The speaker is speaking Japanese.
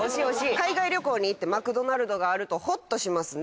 海外旅行に行ってマクドナルドがあるとほっとしますね。